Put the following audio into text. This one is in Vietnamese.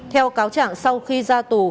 theo cáo trạng sau khi ra tù